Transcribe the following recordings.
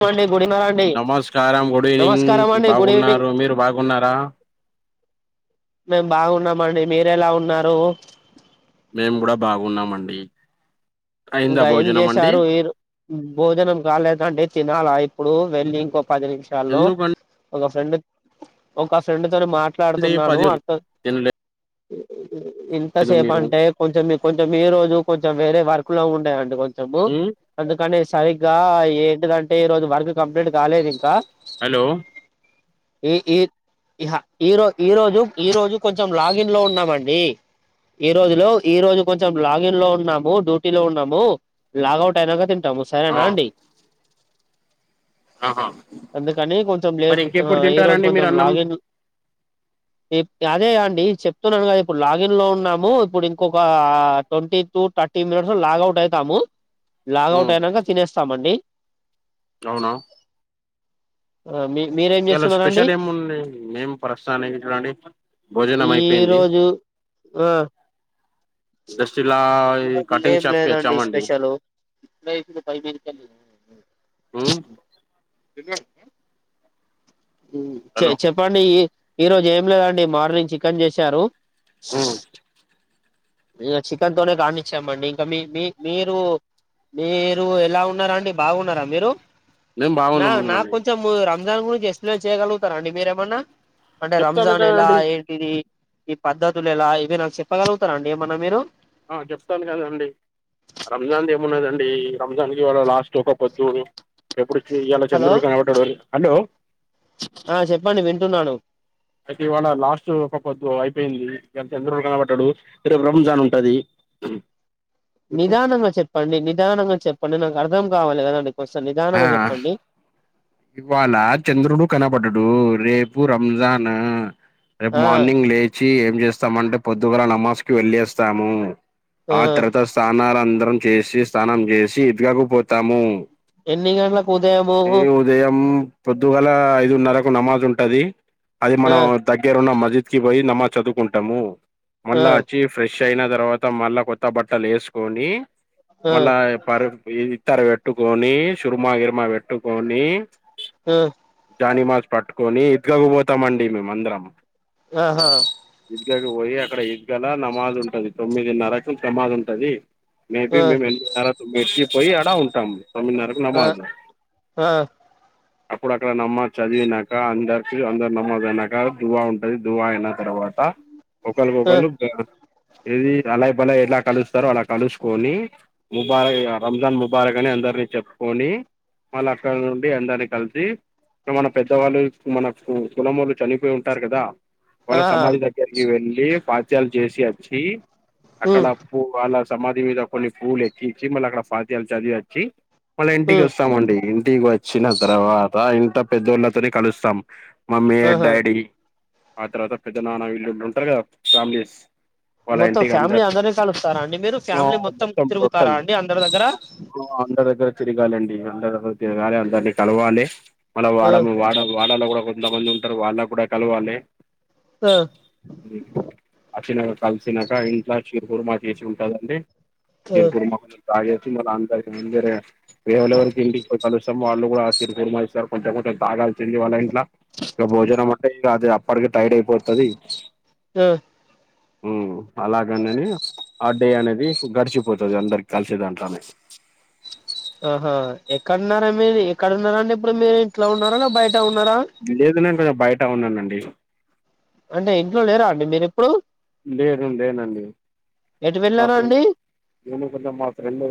పోండిబ్బుడి. నమస్కారం గుడివినింగ్ అండి good evening బాగున్నారు మీరు బాగున్నారా. మేము బాగున్నామండి మీరు ఎలా ఉన్నారు మేము కూడా బాగున్నామండి అయిందా ఇంకా ఏం భోజనం అండి చేసారు ఇర్ భోజనం కాలేదండి తినాలా ఇప్పుడు వెళ్లి ఇంక పది నిమిషాల్లో ఎందుకండి ఒక ఫేండ్ ఒక ఫేండ్ నీతోని మాట్లాడుతున్నాడు పది అంతె తినలేదు ఇంతసేపు మీరు అంటే కొంచెం మీ కొంచెం ఈ రోజు కొంచెం వేరే వర్క్ లో ఉండెయండి కొంచెం ము ఉమ్ అందుకని సరిగ్గా ఏంటిది అంటే ఈరోజు వర్క్ కంప్లీట్ కాలేదు ఇంకా హలో ఏ ఇ ఈహ ఈరో ఈరోజు ఈరోజు కొంచెం లాగిన్ లో ఉన్నామండి ఈరోజులో ఈరోజు కొంచెం లాగిన్లో ఉన్నాము డు డ్యూటీ లో ఉన్నాము లాగౌట్ అయినాక తింటాము ఆ సరేనా అండి ఆహా అందుకని కొంచెం మరి లేట్ ఇంకెప్పుడు ఈరోజు తింటారండి మీరు కొంచెం అన్నం లాగిన్ ఏ అదే అండి చెప్తున్నాను కదా ఇప్పుడు లాగిన్ లో ఉన్నాము ఇప్పుడు ఇంకొక twenty two thirty minute logout అయితాము లాగౌట్ ఉమ్ అయినాక తినేస్తామండి అవునా ఆ మీ మీరేం ఇయల చేస్తున్నారండి స్పెషల్ ఏముంది మేమ్ ప్రస్తాని ఇక్కడండి ఈరోజు ఆ జస్ చిన్న ఈ కటింగ్ ఏం షాప్ లేదండి తెరిచామండి స్పెషల్ ఉమ్మ్ తిన చె హలో చెప్పండి ఇ ఈరోజు ఏం లేదండి మార్నింగ్ చికెన్ చేశారు ఉమ్ షాషు ఇగ చికెన్ తోనే కానిచ్చామండి ఇంకా మి మి మీరు మీరు ఎలా ఉన్నారు అండి బాగున్నారా మీరు మేము నా బాగున్నాం నాకు అండి కొంచము రం రంజాన్ గురించి ఎక్స్ప్లెయిన్ చేయ్యగలుగుతారా అండి మీరేమన్నా అంటే చెప్తాను రంజాన్ ఎలా కదండి ఏంటిది ఈ పద్ధతులు ఎలా ఇవి నాకు చెప్పగలుగుతారా అండి ఏమన్న మీరు ఆ చెప్తాను కదాండి రంజాన్ది ఏమున్నాదండి రంజాన్కివాళ లాస్ట్ ఒక పొద్దు ఎప్పుడు ఇయల హలో చంద్రుడు కనవడ్డరోజు హలో ఆ చెప్పండి వింటున్నాను అయితే ఇవాళ లాస్ట్ ఒక పొద్దు అయిపోయింది ఇ చంద్రుడు కనబడ్డాడు రేపు రంజాన్ ఉంటది కుమ్ నిదానంగా చెప్పండి నిదానంగా చెప్పండి నాకు అర్థం కావాలి కదండి కాస్త ఆ నిదానంగా చెప్పండి ఇవాళ చంద్రుడు కనపడ్డడు రేపు రంజాన్ నా రేపు ఆ మార్నింగ్ లేచి ఏం చేస్తామంటే పొద్దుగాల నమాజ్ కి వెళ్ళి వస్తాము ఆ తర్త స్నానాలందరం చేసి స్నానం చేసి ఈద్‌గాహ్కు పోతాము ఎన్ని గంట్లకు ఉదయము పొద్దుగల ఐదున్నరకు నమాజ్ ఉంటది అది ఆ మనం దగ్గరున్న మజ్ అజిత్ కి పోయి నమాజ్ చదువుకుంటాము ఆ మళ్ళా వచ్చి ఫ్రెష్ ఫేష్ అయిన తర్వాత మళ్ళా కొత్త బట్టలు ఎసుకొని ఆ మళ్ళా పర్ థార్ పెట్టుకొని సుర్మాగిర్మా గాట్టుకొని ఆ అనిమాస్ పట్టుకొని ఇంట్లకు పోతామండి మేమందరం ఆహా కపోయి అక్కడ ఇదగల నమాజ్ ఉంటది తొమ్మిదిన్నరకు నమాజ్ ఉంటది మేబి ఆ మేము [unintelligible] పోయి అడ ఉంటాము తొమ్మిదిన్నరకు ఆ నమాజు ఆ అప్పుడు అక్కడ నమాజ్ చదివినక అందరికి అందరు నమాజ్ అయినాక దువా ఉంటది దువా అయిన తర్వాత ట్ట ఒకల్ ఆ గోకల్ ఏది అలయ్ బలయ్ ఎట్లా కలుస్తారో అలా కలుసుకొని ముబారక్ అ రంజాన్ ముబారక్ అని అందర్ అందరిని చెప్పుకొని వాళ్ళ అక్కడ నుండి అందరినీ కలిసి మన పెద్దవాళ్ళు మన కులమోళు చనిపోయి ఉంటారు కదా ఆ వాళ్ళ సమాధి దగ్గరికి వెళ్ళి పాచ్యాలు చేసి వచ్చి అక్కడ ఉమ్ పూ వాళ్ళ సమాధి మీద కొన్ని పువ్వులు ఎక్కించి మళ్ళీ అక్కడ పాత్యలు చదివి వచ్చి మళ్ళ ఇంటికి ఉమ్ వస్తామండి ఇంటికి వచ్చిన తర్వాత ఇంట పెద్దోళ్ళతోనే కలుస్తాం మమ్మీ అండ్ ఆహా డాడీ ఆ తర్వాత పెద్ద నాన్న వీల్లుళు ఉంటారు కదా ఫ్యామిలీస్ వాళ్ళ మొత్తం ఇంటికి ఫ్యామిలీ అందరు అందరినీ కలుస్తారా అండి మీరు ఫ్యామిలీ మొత్తం తిరుగుతారా టోటల్ అండి అందరి దగ్గర అందరి దగ్గర తిరగాలండి అందరి దగ్గర తిరగాలి అందరిని కలవాలి మళ ఆ వాడము వాడం ల గుడా కొంతమంది ఉంటారు వాళ్ళ కూడా కలవాలి ఆ అచ్చినక కల్సినక ఇంట్లా శషర్ కుర్మా చేసి ఉంటదండి ఆ శీర్పుర్మా కొ తాగేసి మళ్ళ అంతరరే ఇవలేవరికీ ఇంటికి పో కలుస్తామో వాల్లు కూడా ఆశీర్ కుర్మా ఇస్తార్ కొంచం కొంచం తాగలే సింధే వాళ్ళ ఇంట్లా ఇక భోజనం అంటే ఇ అది అప్పటికి టైడ్ అయిపోతది ఆ ఉ అలాగనేది ఆ డే అనేది గడిచిపోతది అందరికి కలిసే దంట్లనే ఆహా ఎక్కడున్నార మీరు ఎక్కడున్నారాండీ ఇప్పుడు మీరు ఇంట్లో ఉన్నార లేక్ బయట ఉన్నారా లేదు నేను బయట ఉన్నానండి అంటే ఇంట్లో లేరా అండి మీరు ఎప్పుడు లేదు లేనండి ఎటు మా వెళ్ళారా ఫ్రెం అండి నేను కొంచం మా ఫ్రెండు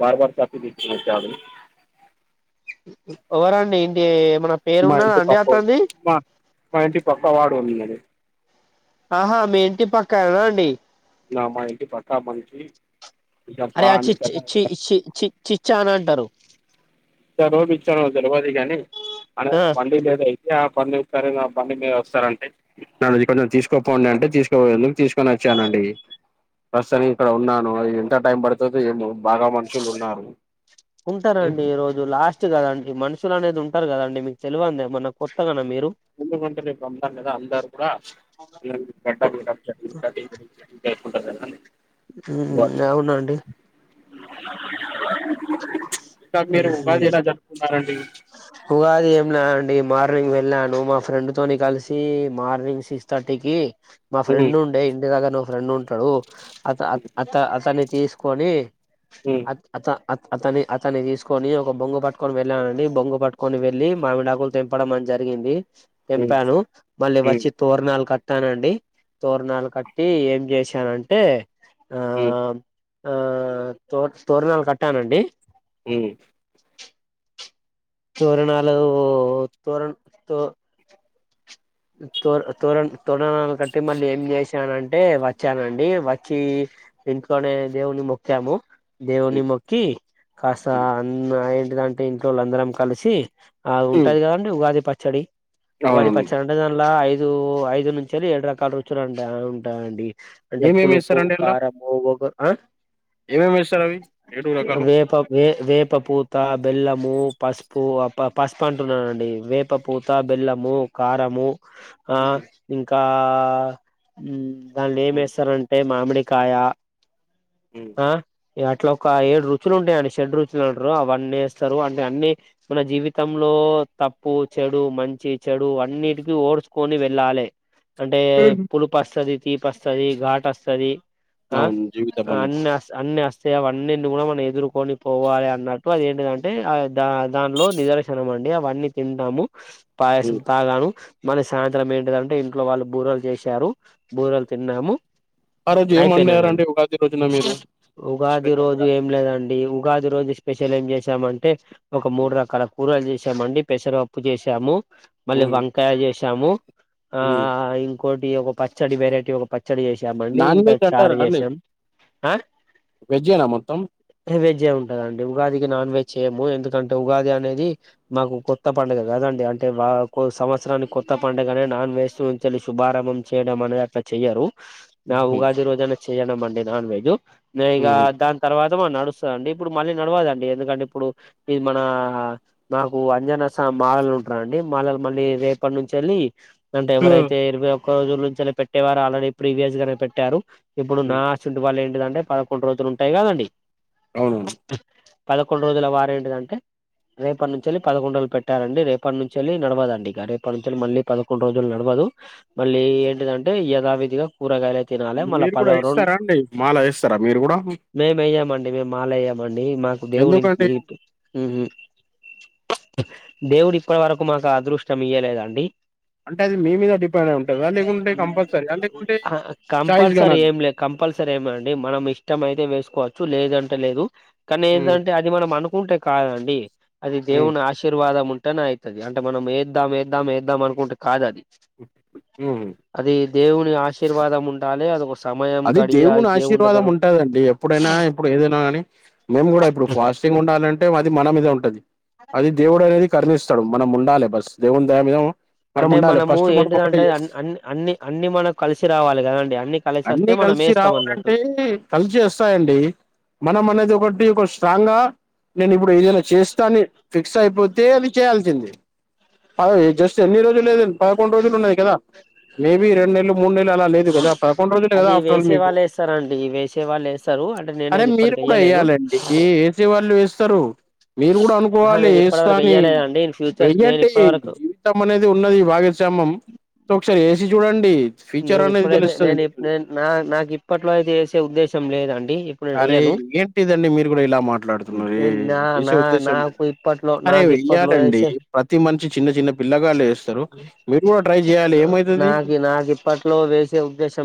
బార్ బార్ [unintelligible] ఓవరండి మీ ఏంది మా ఇంటి పక్క మా ఇంటి పక్క వాడుంన్నది ఆహా మీ ఇంటి పక్కనా అండి నా మా ఇంటి పక్క మంచి అరే ఆ చి చి చి చి యి చి చిచ్చా అని అంటారు ఇ రోపిచ్చాను తెలువది గాని అడ ఆ వండి లేదయి ఆ పండిస్తార నా బండి మీద వస్తారంటే నన్ను ఇకడ్ నుంచి తీసుకోపొండంటే అంటే తీసుకోపోయిండు తీసుకొ వచ్చి వచ్చానండి ప్రస్తుతనికి ఇక్కడ ఉన్నాను అద్ ఎంత టైం పడుతుంది ఏమో బాగా మనుషులు ఉన్నారు ఉంటారండి ఈ రోజు లాస్ట్ కదండి మనుషులు అనేది ఉంటారు కదండి మీకు తెలిన్ దా ఎమన్నా కొత్తగన మీరు ఎందుకంటే రేప్ రంజాన్ కదా అందరు కూడా [inaudible] కుంటర్ కద్ అండి ఉమ్ అవునండి ఇంకా మీరు ఉగాది ఉహుమ్ ఎలా జరుపుకున్నారండి ఉగాది ఎంలేదండీ నింగ్ వెళ్ళాను మా ఫ్రెండ్ తోని కలిసి మార్నింగ్ సిక్స్ థర్టీకి మా ఉమ్, ఫ్రెండ్ ఉండే ఇండీ దగర ను్ ఫ్రెండ్ ఉంటాడు అత అ అతన్ని తీసుకొని ఉమ్, అ అత అతని అతన్ని తీసుకొని ఒక బొంగు పట్టుకొని వెళ్ళానండి బొంగు పట్టుకొని వెళ్ళి మామిడాకులు తెంపడం అని జరిగింది ఉమ్, తెంపాను మళ్ళీ ఉమ్, వచ్చి తోరనాలు కట్ తానండి తోరణాలు కట్టి ఏం చేశానంటే ఆ ఉమ్, ఆ తో స్టోరణాలు కట్టానండి ఇమ్ తోరణాలు తోరణ తో తోర తోరణ తోరణాలు కట్టి మళ్ళీ ఏం చేసానంటే వచ్చానండి వచ్చి ఇంట్లోనే దేవుని మొక్కము దేవుని ఉమ్, మొక్కి కాస్త ఉమ్, అ మ్ ఏంటిదంటే ఇంట్లోల్ అందరం కలిసి ఆ ఉంటాది కదండి ఉగాది పచ్చడి అవునండి ఆన్ల ఐదు ఐదు నుంచొని ఏడు రకాల రుచులుంటా ఉంటాయిండి అంటే ఏమేమి పులుపు కారము వగర్ ఆ ఏమేమీ వేస్తారు అవి ఏడు రకాలు వేపపూత బెల్లము పసుపు అ ప పసుపు అంటున్నానండి వేప పూత బెల్లము కారము ఆ ఉమ్, ఇంకా ఆ మ్ ధన్లా ఉమ్. ఏమేస్తారంటే మామిడికాయ హ్మ్ ఆ ఇగ అట్లా ఒక ఏడు రుచులు ఉంటాయండి షెడ్ రుచులు అంటారు అవన్నీ వేస్తారు అంటే అన్ని మన జీవితంలో తప్పు చెడు మంచి చెడు అన్నిటికి ఓర్చుకొని వెళ్ళాలె అంటే హ్మ్. పులుపు అస్తది తీపి అస్తది ఘాటు అస్తది ఆ అవును జీవితం ఆ అనేది అనియాస్ అనియాస్ సో వన్నింటిని కూడా మనం ఎదుర్కొని పోవాలే అన్నట్టు అది ఏంటిదంటే ఆ ద దానిలో నిదర్శనం ఆన్ డే ఆవన్నీ తింటాము పయసం హ్మ్ తాగాను మన సాయంత్రం ఏంటిదంటే ఇంట్లో వాళ్ళు బూరలు చేశారు బూరలు తిన్నాము ఆ రోజు ఏం ఒండరూ అయిపోయినదండి అండి ఉగాద్ ఉగాది రోజు ఏం లేదండి ఈ ఉగాది రోజు స్పెషల్ ఏం చేశామంటే ఒక మూడు హ్మ్. రకాల కూరలు చేసామండి పెసరాపప్పు చేసాము మళ్ళీ హ్మ్. వంకాయ చేసాము ఆ హ్మ్. ఇంకోటి ఒక పచ్చడి వెరైటీ ఒక పచ్చ చ్చడి చేసామండి నాన్ ఇంకా చారు చేసాం అ వెజ్జెనా మొత్తం వేజ్ ఏ ఉంటదండి ఉగాదికి నాన్ వెజ్ చేయము ఎందుకంటే ఉగాది అనేది మాకు కొత్త పండుగ కదం డి అంటే మాకు సంవత్సరానికి కొత్త పండుగనే నాన్ వెజ్ంచినుంచెలి శుభారంభం చేయడం అనే అట్లా చెయ్యారు నా హుహు. ఉగాది రోజన చేయన మండి నాన్ వెజ్ నే ఇగ హుహు. దాని తర్వా నడుస్తుందిండి ఇప్పుడు మళ్ళీ నడవదండి ఎందుకంటే ఇప్పుడు ఇది మనా నాకు అంజనా సామ్ మాలల ఉంటారండి మాలలు మళ్ళీ రేపటి నుంచెలి అంటే ఆ! ఎవరైతే ఇరవై ఒక్క రోజుల నుంచెలి పెట్టేవారు ఆల్రెడీ ప్రీవియస్ గానే పెట్టారు ఇప్పుడు నా హ్మ్. ఇవాల్ళ ఏంటి అంటే పదకొండు రోజులుంటయి కదండి అవునవును పదకొండు రోజుల వార ఏంటిదంటే రేపటి నుంచెలి పదకొడురోలు పెటల్లండి రేపటి నుంచెలి నడవాలండి ఇక రేపటి నుంచెలి మళ్ళీ పదకండు రోజు నడవాల్ లీ మళ్ళీ ఎంటిదంటే యధావిధిగా కూరగాయల మీరు కూడా ఎస్తారా అండి మాలా ఎస్తారా మీరు కూడా వేయ్యామండి మేము మాల వేయ్యామండి మాకు దేవుడి ఎందుకండి? మ్ దేవుడు ఇపడీ వరకు మాకు ఆ అదృష్టం ఇయాలేదండి అంటే అది మీ మీద డిపెండ్ అయి ఉంటదా? లేకుంటే కంపల్సరీయా? లేకుంటే అ చాయిస్ గానా కంపల్సరీ అది? ఏం లే కంపల్ రీ ఏయమండి మనం ఇష్టం అయితే వేసుకోవచ్చు లేదంటే లేదు కానీ హ్మ్. ఎందంటే అది మనం అను ఉంటే కాదండి అది హ్మ్. దేవుని ఆశీర్వాదం ఉంట ట్టనే ఐతది అంటే మనం ఎద్దం ఎద్దం ఎద్దం అనుకుంటే కాద్ అది హుహు. అది దేవుని ఆశీర్వాదం ఉండాలే అది ఒక సమ అది దేవుని ఆశీర్వాదం ఉంటదండి ఎప్పుడైనా ఇప్పుడు ఏదైనా కానీ మేము కూడా ఇప్పుడు ఫాస్టింగ్ ఉండ అనంటే అది మన మీద ఉంటది అది దేవుడు అనేది కరుణిస్తాడు మనం ఉండాలె బస్ దేవుని దయ మీద మనం అంటే ఉండాలి మనము ఫస్ట్ మనం ఒకటే ఏంటిదంటే చేస్ అన్ అన్ అన్ని అన్ని మనకు కలిసి రావాలి కదండి అన్ని కలిసి వస్తే అన్నీ మనం కలిసి వేస్తాం అన్నట్టు రావాలంటే కలిసి వస్తాయండి మనమనక్ అది ఒకటీ ఒక స్ట్రాంగ్ గా నేను ఇప్పుడు ఏదైనా చేస్తాని ఫిక్స్ అయిపోతే అది చేయాల్సిందే కాదది జస్ట్ ఎన్ని రోజులు లేదండి పదకొండు రోజులు ఉన్నయి కదా మూడు నెల అలా లేదు కదా [unintelligible] అది ఆఫట్రల్ల్ వేసే మీకు వాళ్ళు వేస్తారండి వేసే వాళ్ళు వేస్తారు అంటే నేనైతే అరేయ్ మీరు ఇప్పటికి కూడా వెయ్యలేదు వేయలాండి ఏ ఏసీ వాలు వేస్తరు మీరు కూడా ఆహా అనుకోవాలి నేను ఇప్పటి వరకు ఏస్తాని ఎయ్యలేదండి ఇన్ ఫ్యూచర్ నేను వెయ్యండి ఇప్పటి వరకు జీవితం అనేది ఉన్నది భాగశ్యామం ఒకసారి ఏసీ చూడండి ఫ్యిచర్ నేను అనేది ఇప్పుడైతే తెలుస్తు నేను ఇప్ నేను నా నాకు ఇప్పట్లో అయితేయేసే ఉద్దేశం లేదండి ఇప్ అరే ఏంటిదండి మీరు కూడా ఇలా మాట్లాడుతున్నారే నేను నా వేసే నా ఉద్దేశం నాకు ఇప్పట్లో లే నాకు ఇప్పట్లో తీయాలండి వేసే ప్రతి మంచి చిన్న చిన్న పిల్లగాళ్లేస్తారు మీరు కూడా ట్రై జెయాలి ఏమైతది నాకు నాకు ఇప్పట్లో వేసే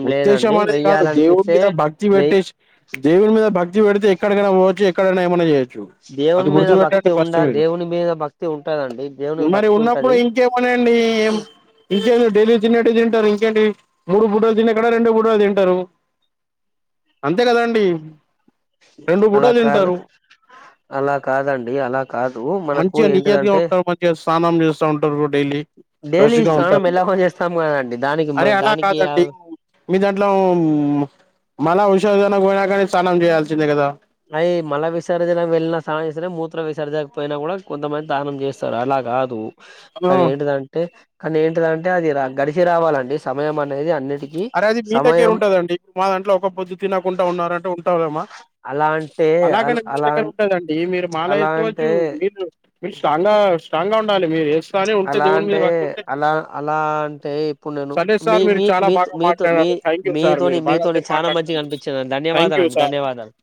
ఉద్దేశం లేదండి అనేది కాదు దేవుడి వెయ్యాలనిపిస్తే మీద భక్తి వెయ్ పెట్టెశీ దేవుని మీద భక్తి పెడితే ఎక్కడికైనా పోవచ్చు ఎక్కడైనా ఏమన్న చేయ్ చు అది దేవుని మీద భక్తి గుర్తుపట్టండి ఉండ ఫస్ట్ మీరు దేవుని మీద భక్తి ఉంటదండి దేవుని మరి భక్తి ఉన్నపుడు ఉంటది ఇంకెమ్మన్ అండి ఇంకేంది డైలీ తినట్టే తింటరు ఏంటి మూడు పూటలు తినేకాడ రెండు పూటలు తింటారు అంతే కదండీ అలా కాదు అలా కాదండి అలా కాదు మనకు ఏంటిదంటే తానం చేస్తా ఉంటరు డైలీ ఫ్రెష్ డైలీ గా స్నానం ఉంటారు మీరు ఎలాగో చేస్తాం కదండి దానికి దానికి మీ దాంట్లో మ్ మళ ఉషోధన పోయినగాని స్నానం చేయాల్సిందే కదా అయి మళ విసర్జిన వెళ్ళిన సానంజెస్తేనే మూత్ర విసర్జకపోయినా కూడా కొంతమంది తానం చేస్తారు అలాగాదు మ్ ఆ, కానీ ఏంటిదంటే కానీ ఏంటిదంటే అదిరా గడిచి రావాలండి సమయం అన్ అరే అది మీ దగ్గర ఉంటదండి మా దాంట్లో ఒక పొద్దు తినకుండా ఉంన్నారంటే ఉంటాలేమా అలా అంటే అలా అలాగనే మీ అలా దగ్గర ఉంటదండి మీరు మాల అలా యేసుకోవచ్చు అంటే మీరు మీరు స్ట్రాంగ్ గా స్ట్రాంగ్ గా ఉండాలి మీరు ఏస్ ప్చ్ అలా అంటే అలా అలా అంటే ఇప్పుడు నేను సరే మీ సార్ మీరు మీ చాలా మీత్ బాగా మీత్ మీ మాట్లాడారు థ్యాంక్ యూ సార్ మీతోని మీరు మీతోని బాగాసేపు చానా మంచిగా మాట్లాడినందుకు అన్పించిందండి థ్యాంక్ యూ ధన్యవాదాలండి సార్ ధన్యవాదాలు